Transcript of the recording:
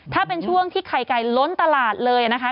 ถ้าเป็นช่วงที่ไข่ไก่ล้นตลาดเลยนะคะ